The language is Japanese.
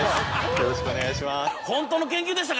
よろしくお願いします。